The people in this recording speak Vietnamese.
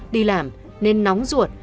đi làm nên nóng ruột